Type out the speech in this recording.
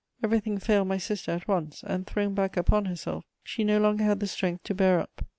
Everything failed my sister at once, and, thrown back upon herself, she no longer had the strength to bear up.